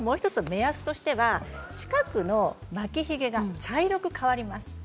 もう１つ目安としては近くの巻きひげが茶色く変わります。